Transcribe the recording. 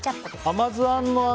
甘酢あんの